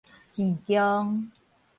舐共